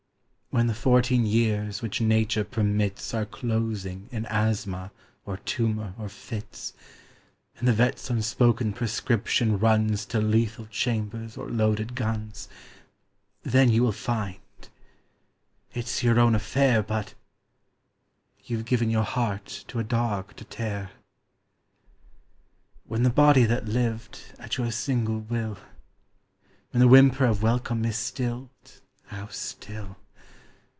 When the fourteen years which Nature permits Are closing in asthma, or tumour, or fits, And the vet's unspoken prescription runs To lethal chambers or loaded guns, Then you will find it's your own affair But... you've given your heart to a dog to tear. When the body that lived at your single will When the whimper of welcome is stilled (how still!)